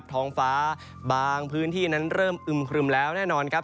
ท้องฟ้าบางพื้นที่นั้นเริ่มอึมครึมแล้วแน่นอนครับ